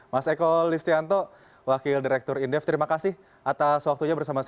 mas eko listianto wakil direktur indef terima kasih atas waktunya bersama saya